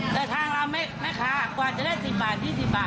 แต่ทางเราแม่ค้ากว่าจะได้๑๐บาท๒๐บาท